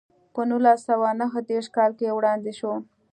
په نولس سوه نهه دېرش کال کې وړاندې شوه.